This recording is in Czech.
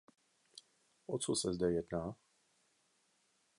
O co se zde jedná?